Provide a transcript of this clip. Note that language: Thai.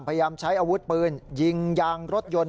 พยายามใช้อาวุธปืนยิงยางรถยนต์